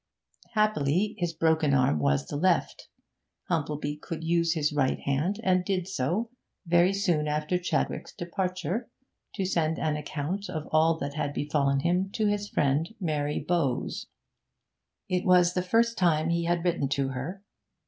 Happily his broken arm was the left. Humplebee could use his right hand, and did so, very soon after Chadwick's departure, to send an account of all that had befallen him to his friend Mary Bowes. It was the first time he had written to her.